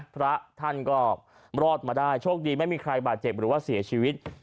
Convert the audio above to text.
พระท่านก็รอดมาได้โชคดีไม่มีใครบาดเจ็บหรือว่าเสียชีวิต